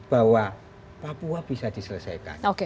bahwa papua bisa diselesaikan